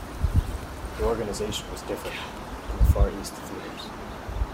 The organization was different in the Far East theatres.